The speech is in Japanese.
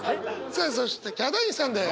さあそしてヒャダインさんです。